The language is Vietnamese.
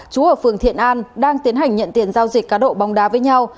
chú ở phường thiện an đang tiến hành nhận tiền giao dịch cá độ bóng đá với nhau